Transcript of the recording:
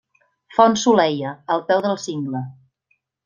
Font Soleia, al peu del cingle.